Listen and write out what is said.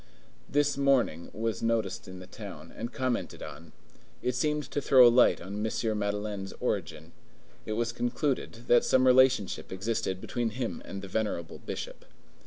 This mourning was noticed in the town, and commented on. It seemed to throw a light on M. Madeleine's origin. It was concluded that some relationship existed between him and the venerable Bishop.